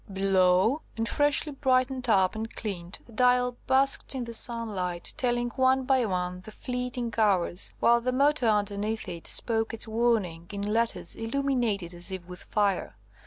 Below, and freshly brightened up and cleaned, the Dial basked in the sunlight, telling one by one the fleeting hours, while the motto underneath it spoke its warning, in letters illuminated as if with fire.